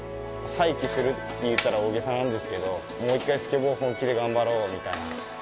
再起するって言ったら大げさなんですけどもう１回スケボーを本気で頑張ろうみたいな。